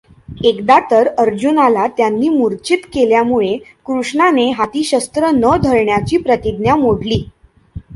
एकदा तर अर्जुनाला त्यांनी मृर्च्छित केल्यामुळे कृष्णाने हाती शस्त्र न धरण्याची प्रतिज्ञा मोडली.